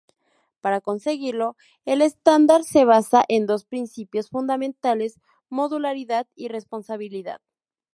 Para conseguirlo, el estándar se basa en dos principios fundamentales: modularidad y responsabilidad.